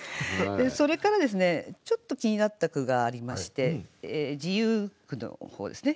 それからちょっと気になった句がありまして自由句の方ですね。